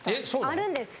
あるんです！